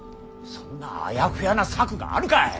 そんなあやふやな策があるかい！